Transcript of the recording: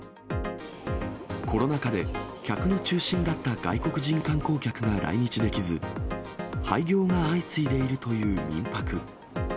コロナ禍で、客の中心だった外国人観光客が来日できず、廃業が相次いでいるという民泊。